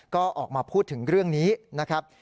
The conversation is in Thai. ก็ออกมาพูดถึงเรื่องนี้นะครับ